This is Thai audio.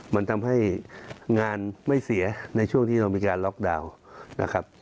มันทำให้งานไม่เสียในช่วงที่เรามีการล็อกดาวน์นะครับ